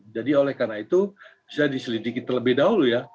jadi oleh karena itu saya diselidiki terlebih dahulu ya